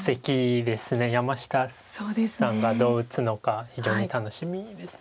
山下さんがどう打つのか非常に楽しみです。